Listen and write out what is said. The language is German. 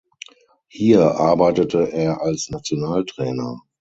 Hier arbeitete er als Nationaltrainer.